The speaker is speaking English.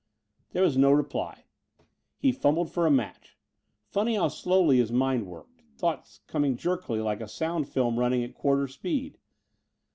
There was no reply. He fumbled for a match. Funny how slowly his mind worked ... thoughts coming jerkily like a sound film running at quarter speed